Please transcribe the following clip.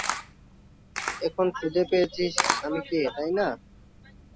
এখন খুঁজে পেয়েছিস আমি কে, তাই না?